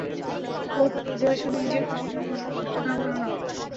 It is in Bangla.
দেখো নির্জারা, শুধু নিজের খুশির জন্য অন্যকে কষ্ট দেওয়া ভালো না।